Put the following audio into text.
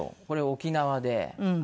これ沖縄で。